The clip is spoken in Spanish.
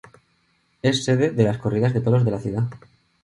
Es sede de las corridas de toros de la ciudad.